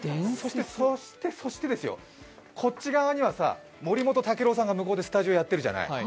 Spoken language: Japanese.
そしてそしてですよ、こっち側にはさ、森本毅郎さんがスタジオやってるじゃない？